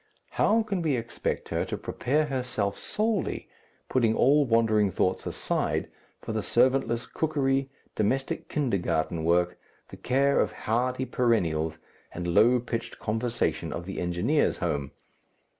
How can we expect her to prepare herself solely, putting all wandering thoughts aside, for the servantless cookery, domestic Kindergarten work, the care of hardy perennials, and low pitched conversation of the engineer's home?